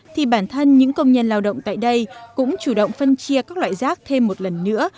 thì bản thân những công nhân lao động tại đây cũng chủ động phân chia các loại rác thêm một lần nữa